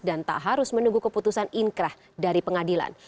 dan tak harus menunggu keputusan inkrah dari pengadilan